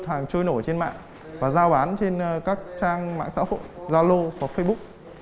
hàng trôi nổi trên mạng và giao bán trên các trang mạng xã hội giao lô hoặc facebook